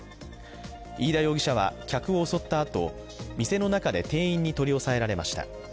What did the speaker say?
飯田容疑者は客を襲ったあと、店の中で店員に取り押さえられました。